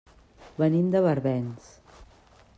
Venim de Barbens.